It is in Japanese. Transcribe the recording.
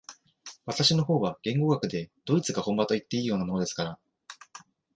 私の方は言語学でドイツが本場といっていいようなものですから、